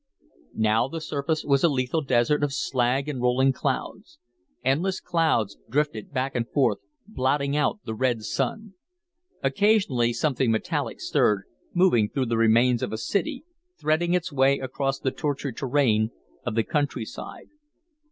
Now the surface was a lethal desert of slag and rolling clouds. Endless clouds drifted back and forth, blotting out the red Sun. Occasionally something metallic stirred, moving through the remains of a city, threading its way across the tortured terrain of the countryside.